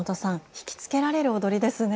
惹きつけられる踊りですね。